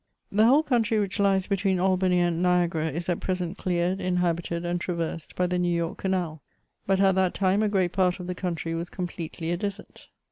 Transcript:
The whole country which lies between Albany and Niagara is at present cleared, inhabited, and traversed by the New York Canal ; but at that time a great part of the country was com pletely a desert.